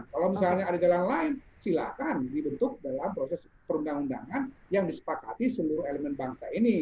kalau misalnya ada jalan lain silahkan dibentuk dalam proses perundang undangan yang disepakati seluruh elemen bangsa ini